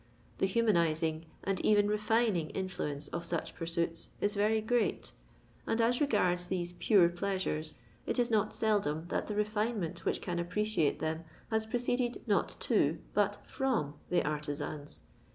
The humanising and even refining influence of such pursuits is very great, and as regards these pure pleasures it is not seldom that the refinement which can appreciate them has proceeded not to but /rom the artisans.